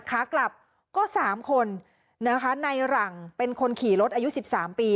ขากลับก็สามคนนะคะในหลังเป็นคนขี่รถอายุ๑๓ปี